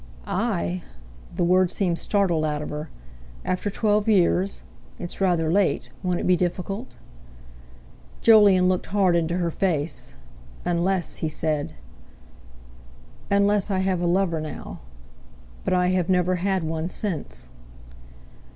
"I?" The word seemed startled out of her. "After twelve years? It's rather late. Won't it be difficult?" Jolyon looked hard into her face. "Unless...." he said. "Unless I have a lover now. But I have never had one since."